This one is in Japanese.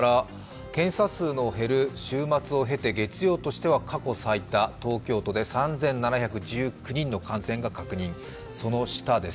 検査数の減る週末を経て月曜として過去最多東京都で３７１９人の感染が確認。